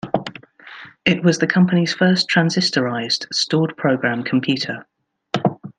It was the company's first transistorized stored-program computer.